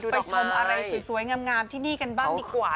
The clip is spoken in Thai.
ไปชมอะไรสวยงามที่นี่กันบ้างดีกว่า